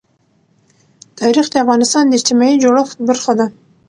تاریخ د افغانستان د اجتماعي جوړښت برخه ده.